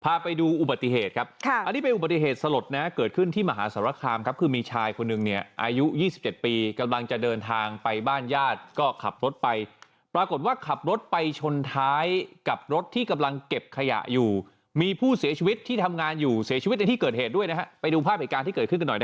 พาไปดูอุบัติเหตุครับอันนี้เป็นอุบัติเหตุสลดนะเกิดขึ้นที่มหาสารคามครับคือมีชายคนหนึ่งเนี่ยอายุ๒๗ปีกำลังจะเดินทางไปบ้านญาติก็ขับรถไปปรากฏว่าขับรถไปชนท้ายกับรถที่กำลังเก็บขยะอยู่มีผู้เสียชีวิตที่ทำงานอยู่เสียชีวิตในที่เกิดเหตุด้วยนะฮะไปดูภาพเหตุการณ์ที่เกิดขึ้นกันหน่อยนะ